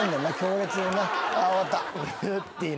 終わった。